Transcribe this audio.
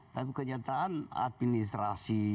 tapi kenyataan administrasi